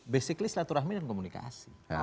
basically silaturahmi dan komunikasi